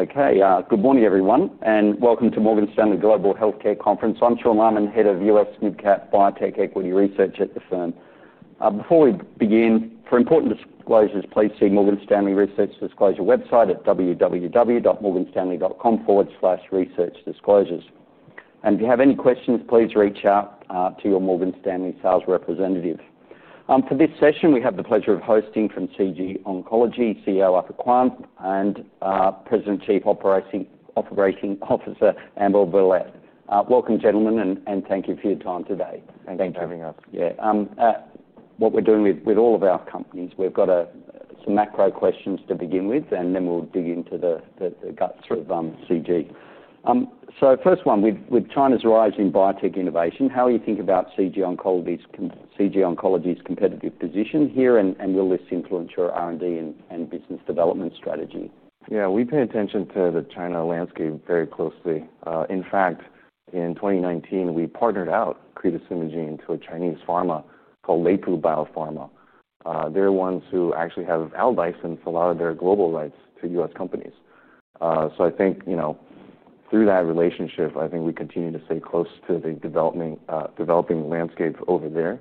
Okay, good morning everyone, and welcome to the Morgan Stanley Global Healthcare Conference. I'm Sean Laaman, Head of U.S. SMID Cap Biotech Equity Research at the firm. Before we begin, for important disclosures, please see the Morgan Stanley Research Disclosure website at www.morganstanley.com/research-disclosures. If you have any questions, please reach out to your Morgan Stanley sales representative. For this session, we have the pleasure of hosting from CG Oncology, CEO Arthur Kuan, and President and Chief Operating Officer Ambaw Bellete. Welcome, gentlemen, and thank you for your time today. Thanks for having us. Yeah, what we're doing with all of our companies, we've got some macro questions to begin with, and then we'll dig into the guts of CG. First one, with China's rising biotech innovation, how do you think about CG Oncology's competitive position here, and will this influence your R&D and business development strategy? Yeah, we pay attention to the China landscape very closely. In fact, in 2019, we partnered out Cretostimogene to a Chinese pharma called Lepu Biopharma. They're the ones who actually have out licensed a lot of their global rights to U.S. companies. I think, you know, through that relationship, we continue to stay close to the developing landscape over there.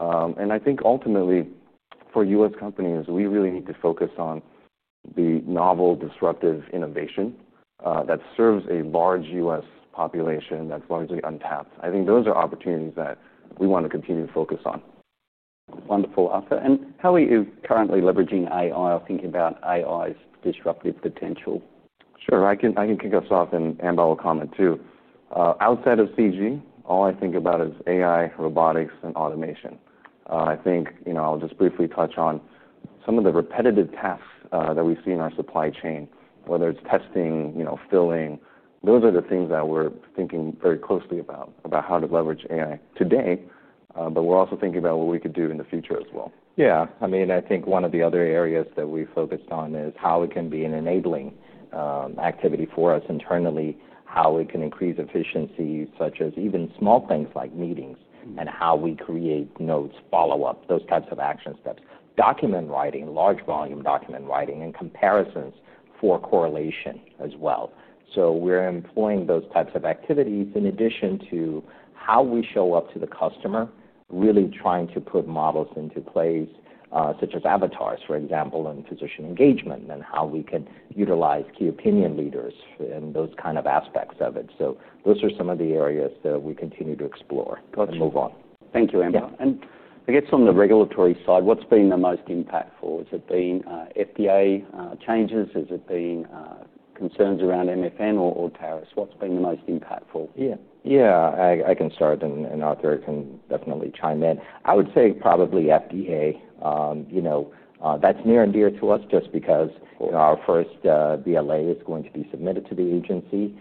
I think ultimately, for U.S. companies, we really need to focus on the novel, disruptive innovation that serves a large U.S. population that's largely untapped. I think those are opportunities that we want to continue to focus on. Wonderful offer. How are you currently leveraging AI or thinking about AI's disruptive potential? Sure, I can kick us off, and Ambaw will comment too. Outside of CG, all I think about is AI, robotics, and automation. I think I'll just briefly touch on some of the repetitive tasks that we see in our supply chain, whether it's testing, filling. Those are the things that we're thinking very closely about, about how to leverage AI today, but we're also thinking about what we could do in the future as well. Yeah, I mean, I think one of the other areas that we focused on is how it can be an enabling activity for us internally, how it can increase efficiency, such as even small things like meetings, and how we create notes, follow-ups, those types of action steps, document writing, large volume document writing, and comparisons for correlation as well. We are employing those types of activities in addition to how we show up to the customer, really trying to put models into place, such as avatars, for example, in physician engagement, and how we can utilize key opinion leaders in those kinds of aspects of it. Those are some of the areas that we continue to explore and move on. Thank you, Ambaw. I guess on the regulatory side, what's been the most impactful? Has it been FDA changes? Has it been concerns around MFN or tariffs? What's been the most impactful? Yeah, I can start, and Arthur can definitely chime in. I would say probably FDA. You know, that's near and dear to us just because our first BLA is going to be submitted to the agency.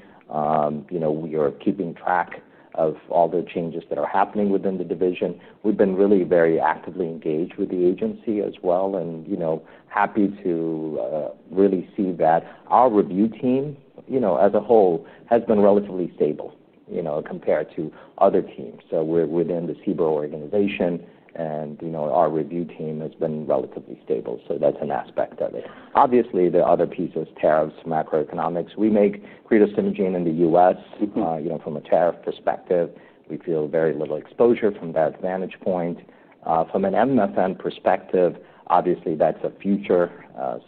You know, we are keeping track of all the changes that are happening within the division. We've been really very actively engaged with the agency as well, and happy to really see that our review team, as a whole, has been relatively stable compared to other teams. We're within the CIBO organization, and our review team has been relatively stable. That's an aspect of it. Obviously, the other piece was tariffs, macroeconomics. We make Cretostimogene in the U.S., from a tariff perspective. We feel very little exposure from that vantage point. From an MFN perspective, obviously that's a future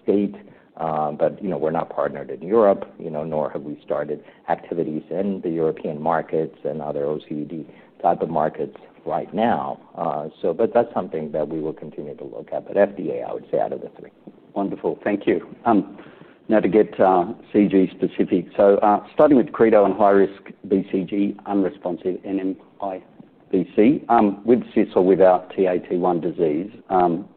state, but we're not partnered in Europe, nor have we started activities in the European markets and other OECD type of markets right now. That's something that we will continue to look at. FDA, I would say out of the three. Wonderful, thank you. Now to get CG specific. Starting with CReDO and high-risk BCG-unresponsive NMIBC, with CIS with or without Ta/T1 disease,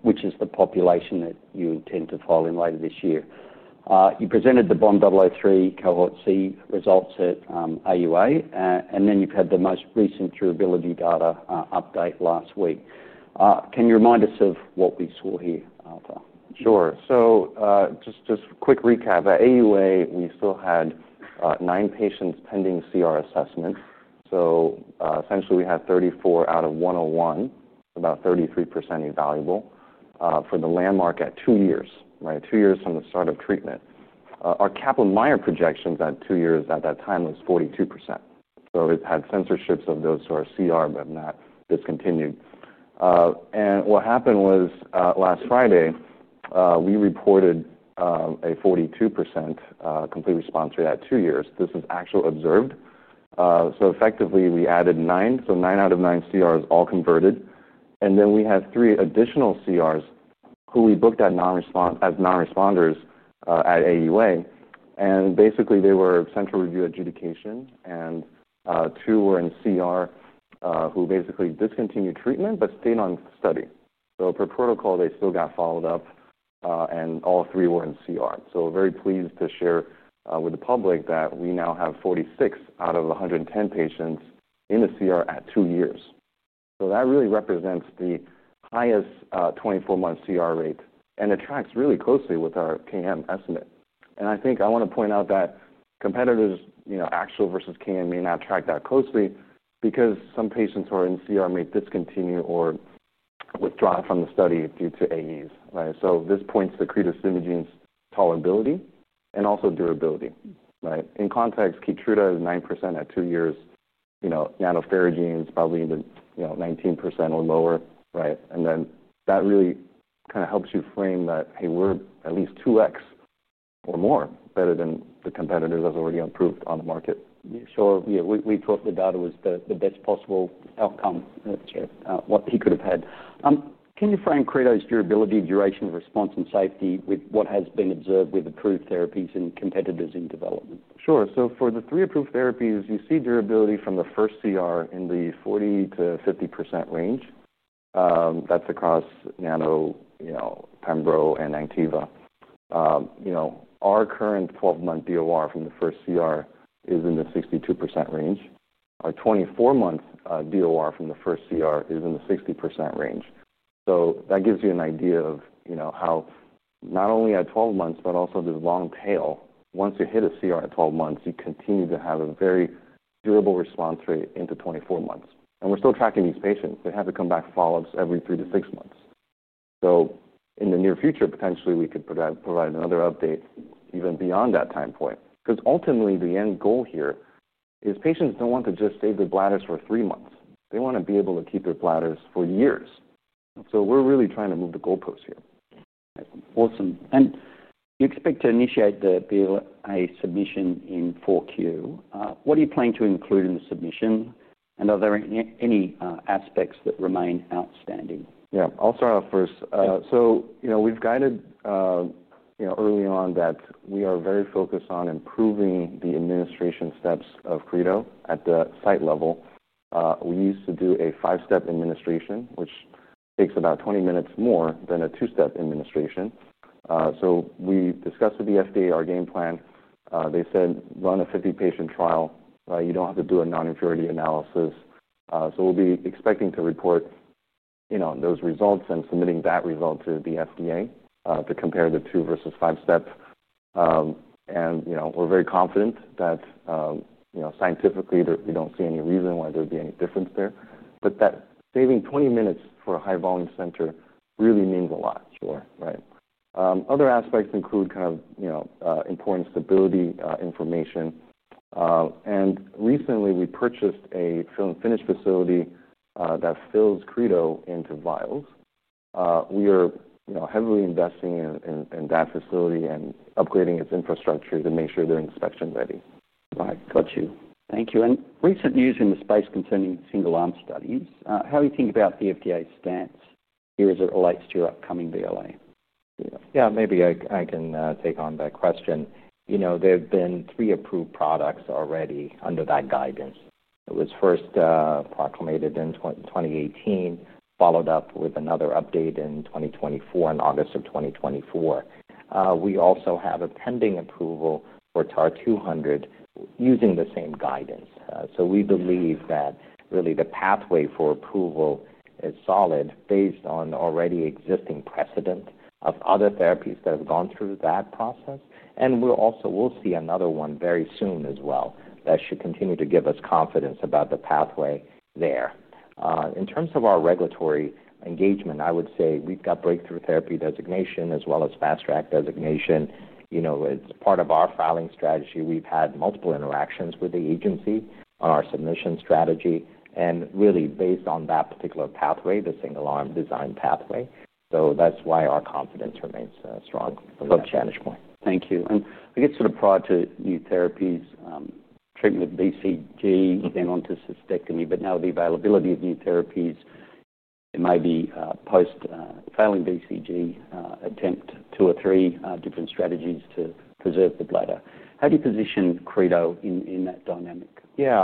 which is the population that you intend to file in later this year. You presented the BOND-003 Cohort C results at AUA, and then you've had the most recent durability data update last week. Can you remind us of what we saw here, Arthur? Sure, so just a quick recap. At AUA, we still had nine patients pending CR assessment. Essentially, we have 34 out of 101, about 33%, evaluable for the landmark at two years, right? Two years from the start of treatment. Our Kaplan-Meier projection at two years at that time was 42%. It had censorships of those who are CR, but not discontinued. Last Friday, we reported a 42% complete response rate at two years. This is actual observed. Effectively, we added nine. Nine out of nine CRs all converted. We had three additional CRs who we booked as non-responders at AUA. Basically, they were sent for review adjudication, and two were in CR who basically discontinued treatment but stayed on study. Per protocol, they still got followed up, and all three were in CR. Very pleased to share with the public that we now have 46 out of 110 patients in the CR at two years. That really represents the highest 24-month CR rate and tracks really closely with our KM estimate. I think I want to point out that competitors, you know, actual versus KM may not track that closely because some patients who are in CR may discontinue or withdraw from the study due to AEs. This points to Cretostimogene's tolerability and also durability. In context, KEYTRUDA is 9% at two years, you know, ADSTILADRIN is probably even, you know, 19% or lower, right? That really kind of helps you frame that, hey, we're at least 2x or more better than the competitors that have already improved on the market. Yeah, we thought the data was the best possible outcome that they could have had. Can you frame Cretostimogene's durability, duration of response, and safety with what has been observed with approved therapies and competitors in development? Sure, so for the three approved therapies, you see durability from the first CR in the 40%-50% range. That's across ADSTILADRIN, you know, KEYTRUDA, and ANKTIVA. You know, our current 12-month DOR from the first CR is in the 62% range. Our 24-month DOR from the first CR is in the 60% range. That gives you an idea of, you know, how not only at 12 months, but also this long tail, once you hit a CR at 12 months, you continue to have a very durable response rate into 24 months. We're still tracking these patients. They have to come back for follow-ups every three to six months. In the near future, potentially we could provide another update even beyond that time point. Ultimately, the end goal here is patients don't want to just save their bladders for three months. They want to be able to keep their bladders for years. We're really trying to move the goalposts here. Awesome. You expect to initiate the BLA submission in 4Q. What are you planning to include in the submission? Are there any aspects that remain outstanding? Yeah, I'll start out first. We've guided early on that we are very focused on improving the administration steps of CReDO at the site level. We used to do a five-step administration, which takes about 20 minutes more than a two-step administration. We discussed with the FDA our game plan. They said, run a 50-patient trial. You don't have to do a non-inferiority analysis. We'll be expecting to report those results and submitting that result to the FDA to compare the two versus five steps. We're very confident that, scientifically, we don't see any reason why there'd be any difference there. That saving 20 minutes for a high-volume center really means a lot more, right? Other aspects include importance, stability information. Recently, we purchased a fill-finish facility that fills CReDO into vials. We are heavily investing in that facility and upgrading its infrastructure to make sure they're inspection ready. Right, got you. Thank you. Recent news in the space containing single arm studies, how do you think about the FDA's stance here as it relates to your upcoming BLA? Yeah, maybe I can take on that question. You know, there have been three approved products already under that guidance. It was first acclimated in 2018, followed up with another update in 2024, in August of 2024. We also have a pending approval for TAR-200 using the same guidance. We believe that really the pathway for approval is solid based on already existing precedent of other therapies that have gone through that process. We'll also see another one very soon as well that should continue to give us confidence about the pathway there. In terms of our regulatory engagement, I would say we've got breakthrough therapy designation as well as fast track designation. You know, as part of our filing strategy, we've had multiple interactions with the agency on our submission strategy. Really, based on that particular pathway, the single arm design pathway. That's why our confidence remains strong. Thank you. I guess sort of prior to new therapies, treatment of BCG, then on to cystectomy. Now the availability of new therapies, it might be post-filing BCG, attempt two or three different strategies to preserve the bladder. How do you position CReDO in that dynamic? Yeah,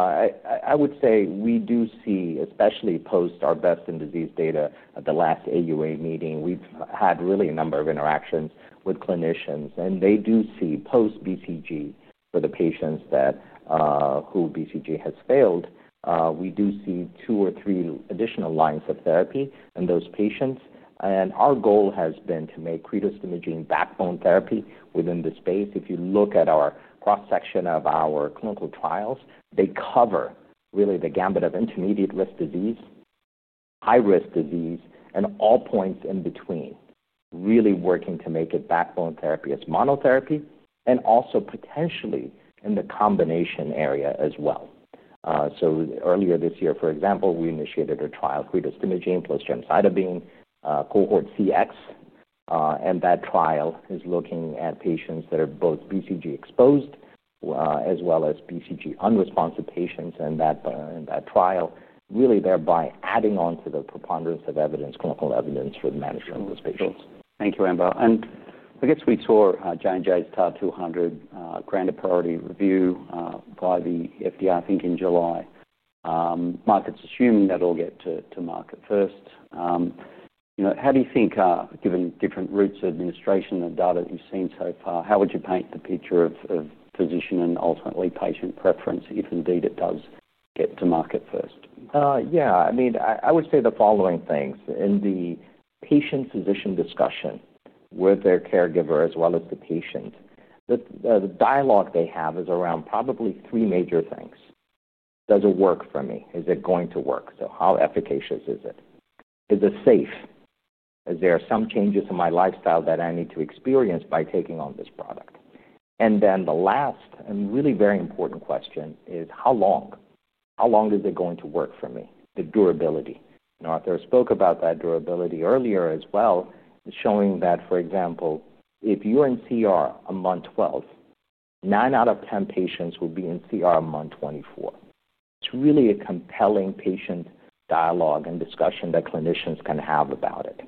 I would say we do see, especially post our BEPS and disease data, the last AUA meeting, we've had really a number of interactions with clinicians. They do see post-BCG for the patients that BCG has failed. We do see two or three additional lines of therapy in those patients. Our goal has been to make Cretostimogene's backbone therapy within the space. If you look at our cross-section of our clinical trials, they cover really the gamut of intermediate risk disease, high risk disease, and all points in between. Really working to make it backbone therapy as monotherapy and also potentially in the combination area as well. Earlier this year, for example, we initiated a trial of Cretostimogene's plus gemcitabine Cohort CX. That trial is looking at patients that are both BCG exposed as well as BCG-unresponsive patients in that trial, thereby adding on to the preponderance of clinical evidence for the management of those patients. Thank you, Ambaw. I guess we saw J&J's TAR-200 granted priority review by the FDA, I think in July. Markets assume that it'll get to market first. How do you think, given different routes of administration and data that you've seen so far, how would you paint the picture of physician and ultimately patient preference if indeed it does get to market first? Yeah, I mean, I would say the following things. In the patient-physician discussion with their caregiver as well as the patient, the dialogue they have is around probably three major things. Does it work for me? Is it going to work? How efficacious is it? Is it safe? Is there some changes in my lifestyle that I need to experience by taking on this product? The last and really very important question is how long? How long is it going to work for me, the durability? Now, Arthur spoke about that durability earlier as well, showing that, for example, if you're in CR at month 12, nine out of 10 patients will be in CR at month 24. It's really a compelling patient dialogue and discussion that clinicians can have about it.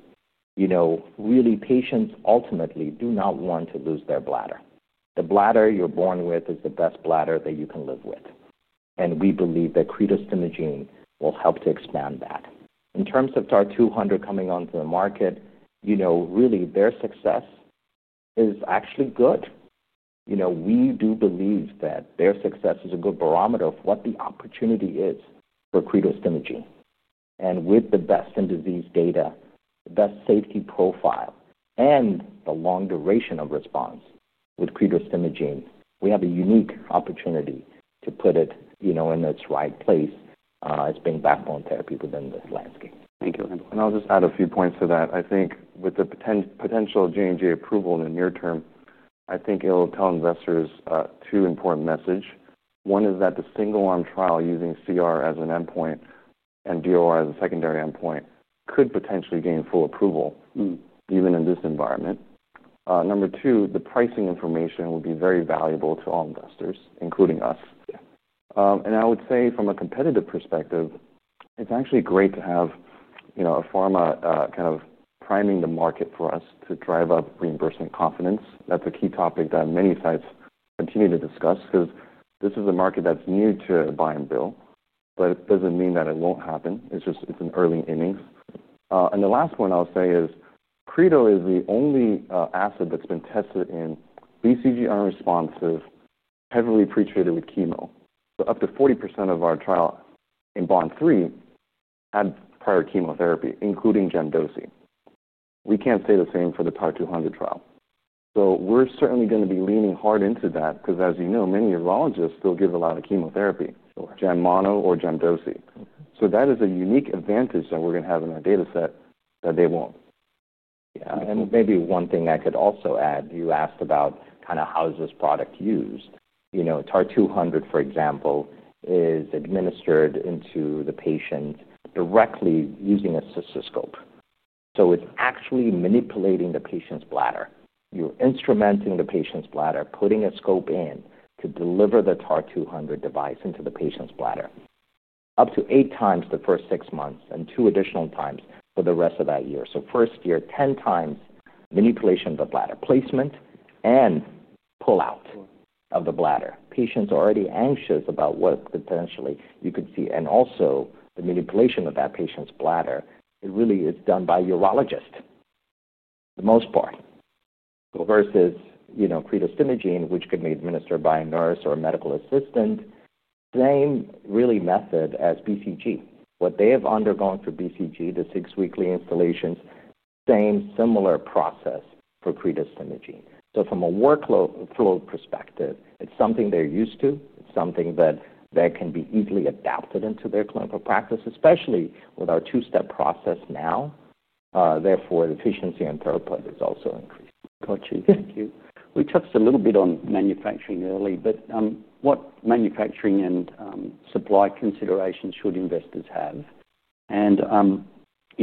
You know, really, patients ultimately do not want to lose their bladder. The bladder you're born with is the best bladder that you can live with. We believe that Cretostimogene will help to expand that. In terms of TAR-200 coming onto the market, their success is actually good. We do believe that their success is a good barometer of what the opportunity is for Cretostimogene. With the best safety profile and the long duration of response with Cretostimogene, we have a unique opportunity to put it in its right place as being backbone therapy within the landscape. Thank you, Ambaw. I'll just add a few points to that. I think with the potential J&J approval in the near term, it'll tell investors two important messages. One is that the single arm trial using CR as an endpoint and DOR as a secondary endpoint could potentially gain full approval, even in this environment. Number two, the pricing information will be very valuable to all investors, including us. I would say from a competitive perspective, it's actually great to have a pharma kind of priming the market for us to drive up reimbursement confidence. That's a key topic that many sites continue to discuss because this is a market that's new to buy and bill, but it doesn't mean that it won't happen. It's just, it's early innings. The last one I'll say is CReDO is the only asset that's been tested in BCG-unresponsive, heavily pretreated with chemo. Up to 40% of our trial in the BOM3 had prior chemotherapy, including gemcitabine. We can't say the same for the TAR-200 trial. We're certainly going to be leaning hard into that because, as you know, many urologists still give a lot of chemotherapy, gemcitabine monotherapy or gemcitabine doublet. That is a unique advantage that we're going to have in our data set that they won't. Yeah, and maybe one thing I could also add, you asked about kind of how is this product used. You know, TAR-200, for example, is administered into the patient directly using a cystoscope. It's actually manipulating the patient's bladder. You're instrumenting the patient's bladder, putting a scope in to deliver the TAR-200 device into the patient's bladder up to eight times the first six months and two additional times for the rest of that year. First year, 10 times manipulation of the bladder, placement and pull-out of the bladder. Patients are already anxious about what potentially you could see. Also, the manipulation of that patient's bladder really is done by a urologist, the most part. Versus, you know, Cretostimogene, which could be administered by a nurse or a medical assistant, the same really method as BCG. What they have undergone for BCG, the six weekly instillations, same similar process for Cretostimogene grenadenorepvec's administration. From a workflow perspective, it's something they're used to, something that can be easily adapted into their clinical practice, especially with our streamlined two-step administration process now. Therefore, the efficiency on therapy is also increased. Got you. Thank you. We touched a little bit on manufacturing early, but what manufacturing and supply considerations should investors have?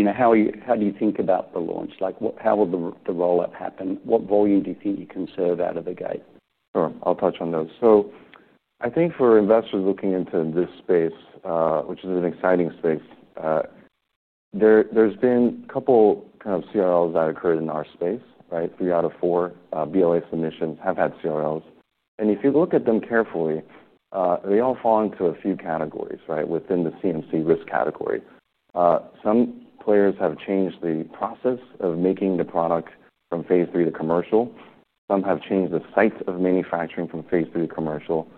How do you think about the launch? Like, how will the roll-up happen? What volume do you think you can serve out of the gate? Sure, I'll touch on those. I think for investors looking into this space, which is an exciting space, there's been a couple kind of CRLs that occurred in our space, right? Three out of four BLA submissions have had CRLs. If you look at them carefully, they all fall into a few categories, right? Within the CMC risk category, some players have changed the process of making the product from phase III to commercial. Some have changed the sites of manufacturing from phase III to commercial.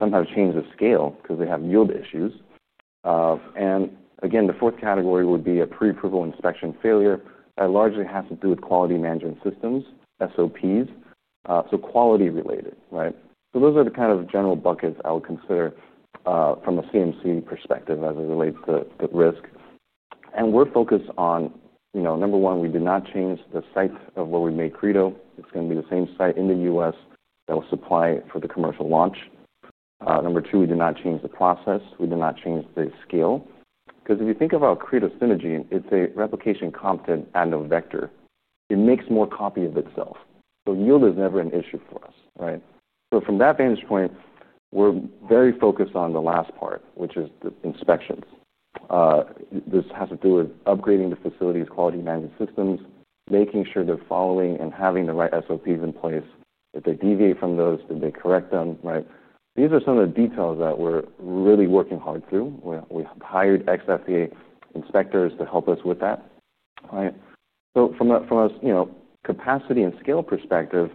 Some have changed the scale because they have yield issues. The fourth category would be a pre-approval inspection failure that largely has to do with quality management systems, SOPs. Quality related, right? Those are the kind of general buckets I would consider from a CMC perspective as it relates to risk. We're focused on, you know, number one, we did not change the sites of where we made Cretostimogene grenadenorepvec (CReDO). It's going to be the same site in the U.S. that will supply it for the commercial launch. Number two, we did not change the process. We did not change the scale. If you think about CReDO's synergy, it's a replication competent adenovector. It makes more copy of itself, so yield is never an issue for us, right? From that vantage point, we're very focused on the last part, which is the inspections. This has to do with upgrading the facility's quality management systems, making sure they're following and having the right SOPs in place. If they deviate from those, did they correct them, right? These are some of the details that we're really working hard through. We hired ex-FDA inspectors to help us with that, right? From a capacity and scale perspective,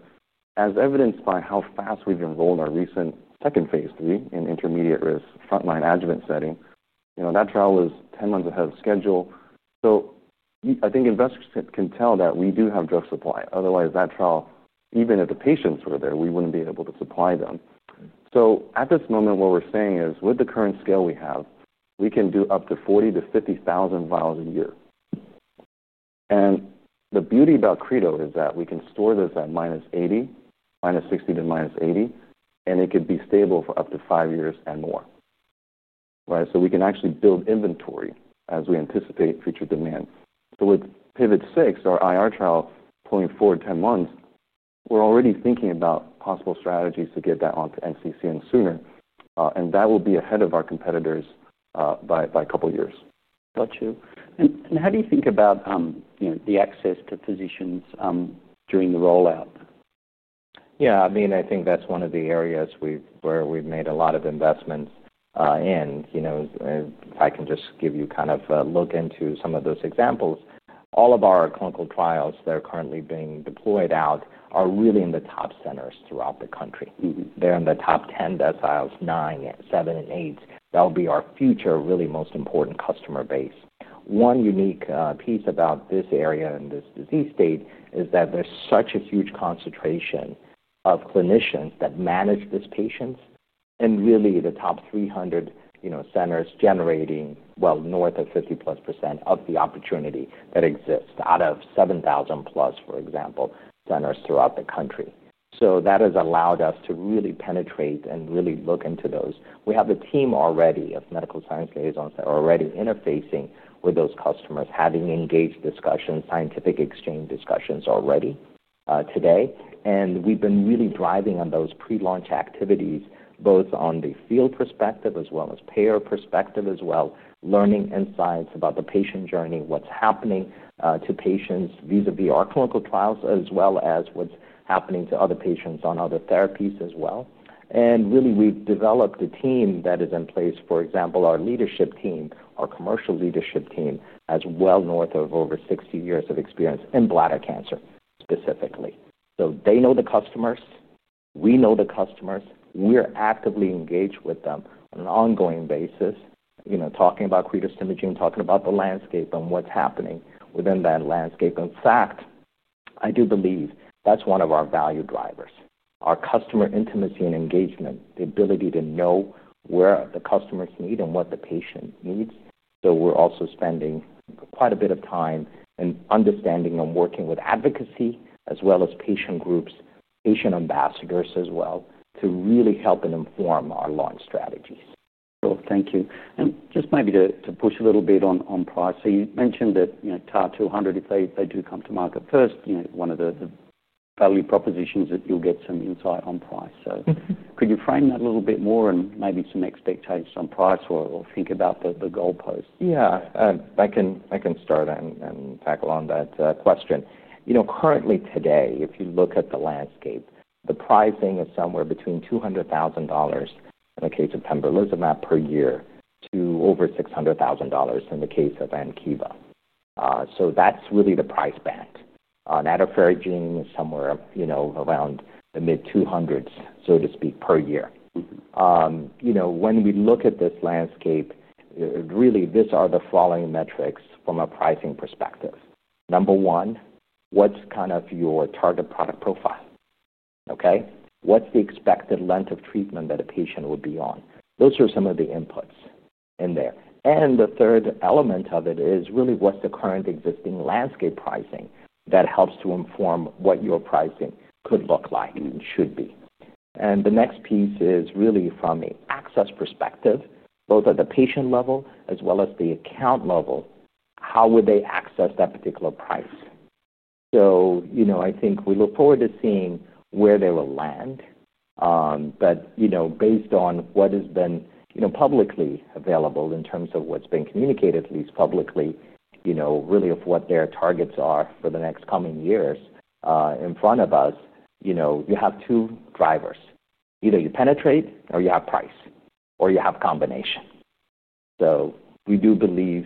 as evidenced by how fast we've enrolled our recent second phase III in intermediate risk frontline adjuvant setting, that trial was 10 months ahead of schedule. I think investors can tell that we do have drug supply. Otherwise, that trial, even if the patients were there, we wouldn't be able to supply them. At this moment, what we're saying is with the current scale we have, we can do up to 40,000-50,000 vials a year. The beauty about CReDO is that we can store this at -60 to -80 degrees Fahrenheit, and it could be stable for up to five years and more, right? We can actually build inventory as we anticipate future demand. With PIVOT-006, our IR trial pulling forward 10 months, we're already thinking about possible strategies to get that onto NCCN sooner. That will be ahead of our competitors by a couple of years. How do you think about, you know, the access to physicians during the rollout? Yeah, I mean, I think that's one of the areas where we've made a lot of investments in. I can just give you kind of a look into some of those examples. All of our clinical trials that are currently being deployed out are really in the top centers throughout the country. They're in the top 10 death trials, nine, seven, and eight. That'll be our future really most important customer base. One unique piece about this area and this disease state is that there's such a huge concentration of clinicians that manage these patients. Really, the top 300 centers generating well north of 50% of the opportunity that exists out of 7,000+, for example, centers throughout the country. That has allowed us to really penetrate and really look into those. We have a team already of Medical Science Liaisons that are already interfacing with those customers, having engaged discussions, scientific exchange discussions already today. We've been really driving on those pre-launch activities, both on the field perspective as well as payer perspective as well, learning insights about the patient journey, what's happening to patients vis-à-vis our clinical trials, as well as what's happening to other patients on other therapies as well. We've developed the team that is in place, for example, our leadership team, our commercial leadership team, as well north of over 60 years of experience in bladder cancer specifically. They know the customers. We know the customers. We're actively engaged with them on an ongoing basis, talking about Cretostimogene grenadenorepvec's imaging, talking about the landscape and what's happening within that landscape. In fact, I do believe that's one of our value drivers, our customer intimacy and engagement, the ability to know where the customers need and what the patient needs. We're also spending quite a bit of time in understanding and working with advocacy as well as patient groups, patient ambassadors as well, to really help and inform our launch strategies. Thank you. Just maybe to push a little bit on price. You mentioned that, you know, TAR-200, if they do come to market first, one of the value propositions is that you'll get some insight on price. Could you frame that a little bit more and maybe some expectations on price or think about the goalposts? Yeah, I can start and tackle that question. You know, currently today, if you look at the landscape, the pricing is somewhere between $200,000 in the case of KEYTRUDA per year to over $600,000 in the case of ADSTILADRIN. That's really the price band. ADSTILADRIN is somewhere, you know, around the mid-$200,000s, so to speak, per year. You know, when we look at this landscape, really, these are the following metrics from a pricing perspective. Number one, what's kind of your target product profile? Okay, what's the expected length of treatment that a patient will be on? Those are some of the inputs in there. The third element of it is really what's the current existing landscape pricing that helps to inform what your pricing could look like and should be. The next piece is really from an access perspective, both at the patient level as well as the account level, how would they access that particular price? I think we look forward to seeing where they will land. Based on what has been, you know, publicly available in terms of what's been communicated at least publicly, really of what their targets are for the next coming years in front of us, you know, you have two drivers. Either you penetrate or you have price or you have a combination. We do believe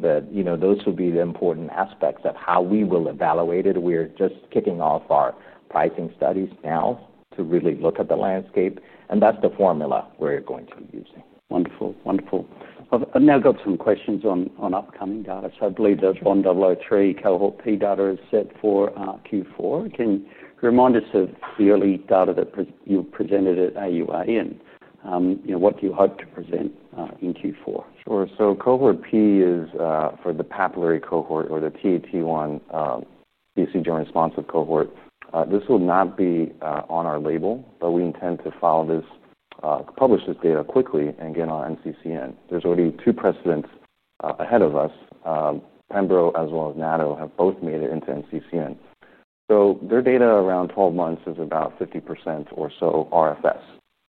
that those would be the important aspects of how we will evaluate it. We're just kicking off our pricing studies now to really look at the landscape. That's the formula we're going to be using. Wonderful, wonderful. I've now got some questions on upcoming data. I believe the pivotal BOM3 cohort P data is set for Q4. Can you remind us of the early data that you presented at AUA? What do you hope to present in Q4? Sure. Cohort P is for the papillary cohort or the TaT1 BCG-unresponsive cohort. This will not be on our label, but we intend to publish this data quickly and get on NCCN. There are already two precedents ahead of us. KEYTRUDA as well as ADSTILADRIN have both made it into NCCN. Their data around 12 months is about 50% or so RFS,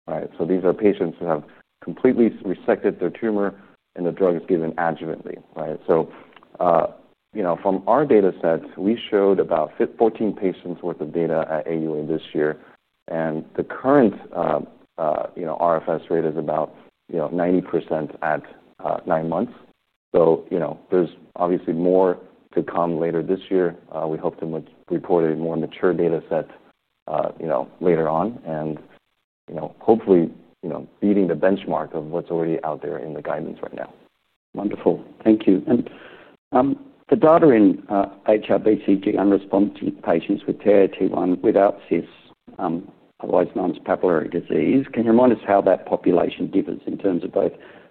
right? These are patients who have completely resected their tumor and the drug is given adjuvantly, right? From our data sets, we showed about 14 patients' worth of data at AUA this year, and the current RFS rate is about 90% at nine months. There is obviously more to come later this year. We hope to report a more mature data set later on, and hopefully beating the benchmark of what's already out there in the guidance right now. Thank you. The data in AICAP BCG-unresponsive patients with TaT1 without CIS, otherwise known as papillary disease, can you remind us how that population differs in terms of both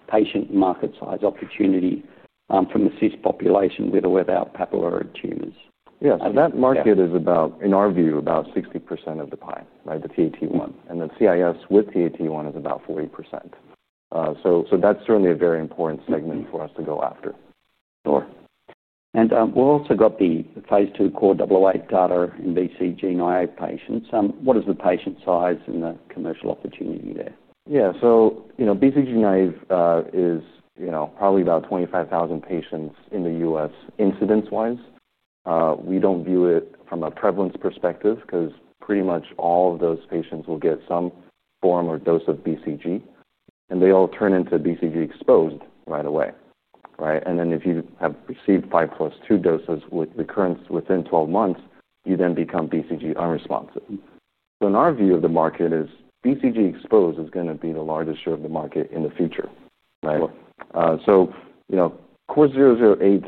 patient market size opportunity from the CIS population with or without papillary tumors? That market is about, in our view, about 60% of the pie, right, the TaT1. The CIS with TaT1 is about 40%. That's certainly a very important segment for us to go after. We've also got the phase two core double OA data in BCG-naive patients. What is the patient size and the commercial opportunity there? Yeah, so, you know, BCG naive is, you know, probably about 25,000 patients in the U.S. incidence-wise. We don't view it from a prevalence perspective because pretty much all of those patients will get some form or dose of BCG, and they all turn into BCG exposed right away. Right? If you have received five plus two doses with recurrence within 12 months, you then become BCG unresponsive. In our view of the market, BCG exposed is going to be the largest share of the market in the future. Right? Core 008,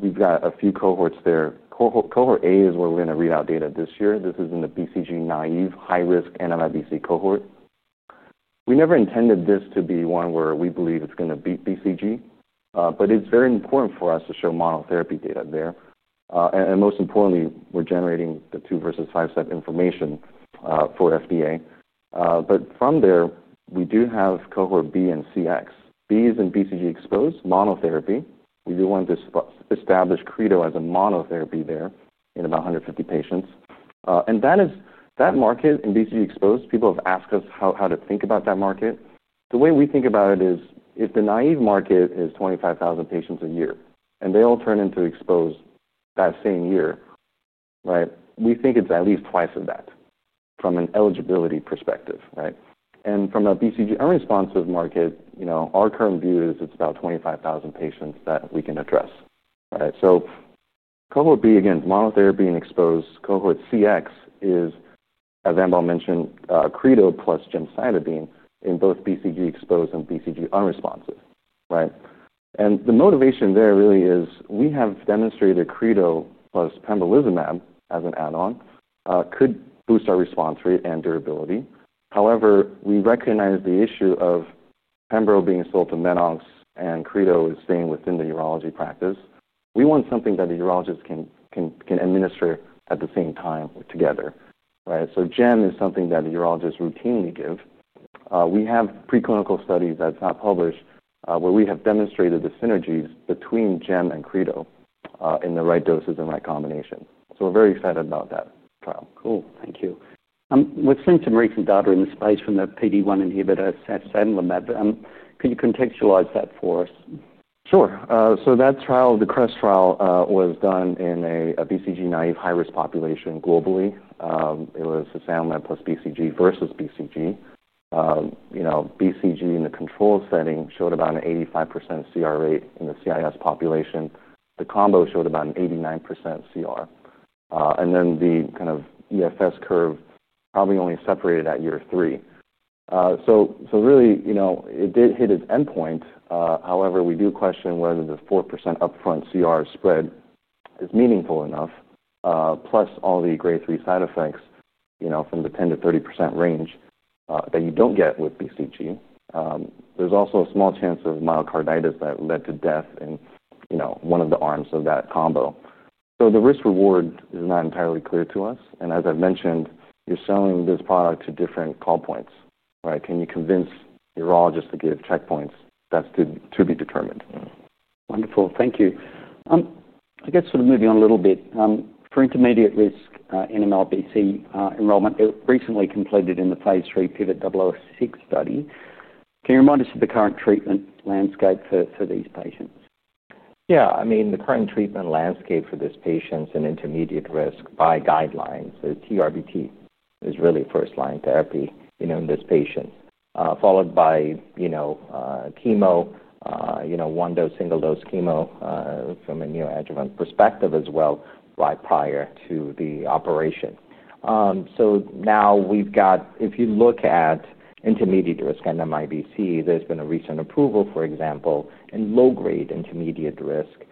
we've got a few cohorts there. Cohort A is where we're going to read out data this year. This is in the BCG naive high-risk NMIBC cohort. We never intended this to be one where we believe it's going to beat BCG, but it's very important for us to show monotherapy data there. Most importantly, we're generating the two versus five step information for FDA. From there, we do have cohort B and CX. B is in BCG exposed, monotherapy. We do want to establish CReDO as a monotherapy there in about 150 patients, and that is that market in BCG exposed. People have asked us how to think about that market. The way we think about it is if the naive market is 25,000 patients a year and they all turn into exposed that same year, right, we think it's at least twice of that from an eligibility perspective. Right? From a BCG unresponsive market, our current view is it's about 25,000 patients that we can address. Right? Cohort B, again, monotherapy and exposed. Cohort CX is, as Ambaw mentioned, CReDO plus gemcitabine in both BCG exposed and BCG unresponsive. The motivation there really is we have demonstrated CReDO plus KEYTRUDA as an add-on could boost our response rate and durability. However, we recognize the issue of KEYTRUDA being sold to MedOnc and CReDO is staying within the urology practice. We want something that the urologists can administer at the same time or together. Right? Gem is something that the urologists routinely give. We have preclinical studies that's not published where we have demonstrated the synergies between gem and CReDO in the right doses and right combination. We're very excited about that trial. Cool. Thank you. I'm listening to recent data in the space from the PD-1 inhibitor, cisalimab. Can you contextualize that for us? Sure. That trial, the CREST trial, was done in a BCG-naive high-risk population globally. It was cisalimab plus BCG versus BCG. BCG in the control setting showed about an 85% CR rate in the CIS population. The combo showed about an 89% CR. The kind of EFS curve probably only separated at year three. It did hit its endpoint. However, we do question whether the 4% upfront CR spread is meaningful enough, plus all the grade III side effects, from the 10%-30% range that you don't get with BCG. There's also a small chance of myocarditis that led to death in one of the arms of that combo. The risk-reward is not entirely clear to us. As I've mentioned, you're selling this product to different call points. Right? Can you convince urologists to give checkpoints? That's to be determined. Wonderful. Thank you. I guess sort of moving on a little bit for intermediate risk NMIBC enrollment, it recently completed in the phase three Pivot 006 study. Can you remind us of the current treatment landscape for these patients? Yeah, I mean, the current treatment landscape for this patient is an intermediate risk by guidelines. TRBT is really first-line therapy, you know, in this patient, followed by, you know, chemo, you know, one dose, single dose chemo from a neoadjuvant perspective as well by PIER to the operation. Now we've got, if you look at intermediate risk NMIBC, there's been a recent approval, for example, in low-grade intermediate risk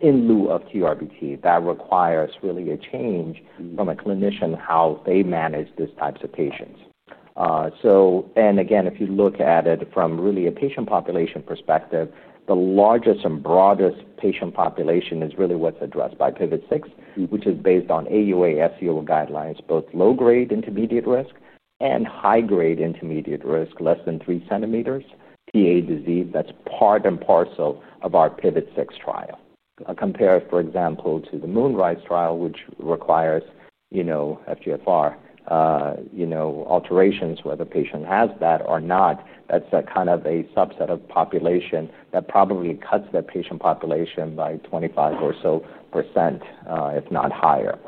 in lieu of TRBT. That requires really a change from a clinician how they manage these types of patients. Again, if you look at it from really a patient population perspective, the largest and broadest patient population is really what's addressed by PIVOT-006, which is based on AUA FCO guidelines, both low-grade intermediate risk and high-grade intermediate risk, less than three centimeters, PA disease. That's part and parcel of our PIVOT-006 trial. Compare, for example, to the MoonRISe trial, which requires, you know, FGFR, you know, alterations whether the patient has that or not. That's that kind of a subset of population that probably cuts that patient population by 25% or so, if not higher.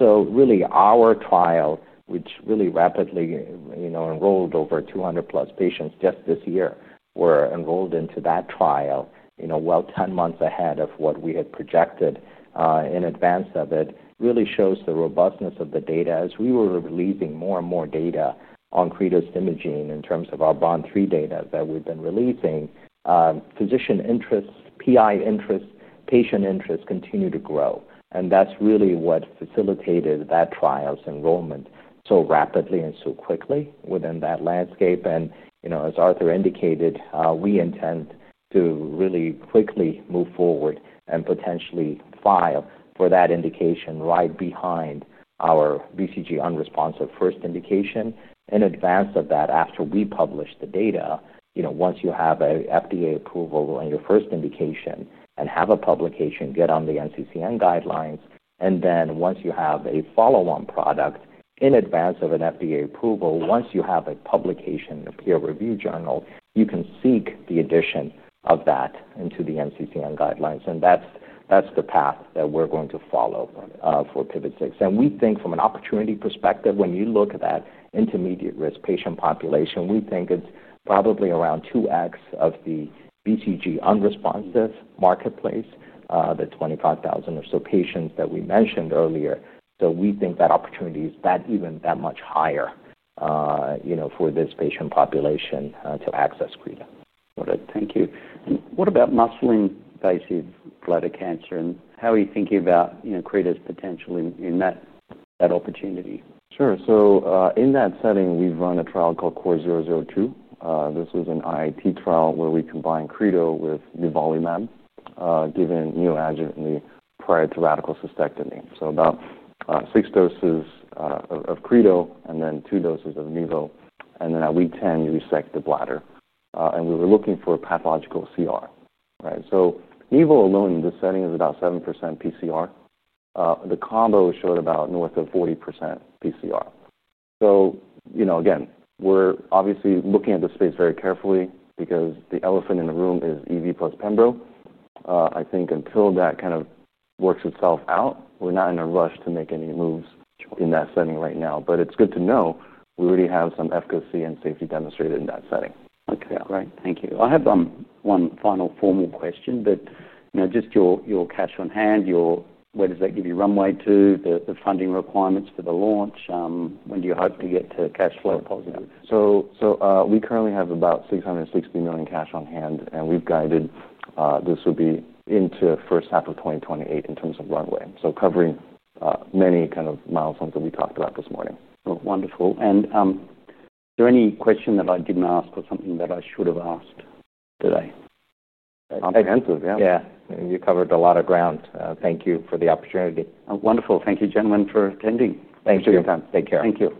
Really, our trial, which really rapidly, you know, enrolled over 200 plus patients just this year, were enrolled into that trial, you know, 10 months ahead of what we had projected in advance of it, really shows the robustness of the data. As we were releasing more and more data on CReDO's imaging in terms of our pivotal BOM3 data that we've been releasing, physician interests, PI interests, patient interests continue to grow. That's really what facilitated that trial's enrollment so rapidly and so quickly within that landscape. You know, as Arthur indicated, we intend to really quickly move forward and potentially file for that indication right behind our BCG-unresponsive first indication in advance of that after we publish the data. You know, once you have an FDA approval on your first indication and have a publication, get on the NCCN guidelines. Once you have a follow-on product in advance of an FDA approval, once you have a publication in your review journal, you can seek the addition of that into the NCCN guidelines. That's the path that we're going to follow for PIVOT-006. We think from an opportunity perspective, when you look at that intermediate risk patient population, we think it's probably around 2x of the BCG-unresponsive marketplace, the 25,000 or so patients that we mentioned earlier. We think that opportunity is even that much higher, you know, for this patient population to access CReDO. Thank you. What about muscle-invasive phases of bladder cancer and how are you thinking about, you know, Cretostimogene grenadenorepvec's potential in that opportunity? Sure. In that setting, we've run a trial called CORE-002. This is an IIT trial where we combine Cretostimogene grenadenorepvec (CReDO) with nivolumab, given neoadjuvantly prior to radical cystectomy. About six doses of CReDO and then two doses of nivo, and then at week 10, you resect the bladder. We were looking for pathological CR, right? Nivo alone in this setting is about 7% pCR. The combo showed about north of 40% pCR. We're obviously looking at the space very carefully because the elephant in the room is EV plus KEYTRUDA. I think until that kind of works itself out, we're not in a rush to make any moves in that setting right now. It's good to know we already have some efficacy and safety demonstrated in that setting. Okay, great. Thank you. I have one final formal question that, you know, just your cash on hand, where does that give you runway to, the funding requirements for the launch? When do you hope to get to cash flow positive? We currently have about $660 million cash on hand, and we've guided this would be into the first half of 2028 in terms of runway, covering many kind of milestones that we talked about this morning. Is there any question that I didn't ask or something that I should have asked today? I think you answered, yeah. Yeah, you covered a lot of ground. Thank you for the opportunity. Wonderful. Thank you, gentlemen, for attending. Thanks for your time. Take care. Thank you.